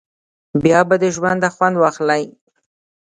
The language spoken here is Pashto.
بیا به د ژونده خوند واخلی.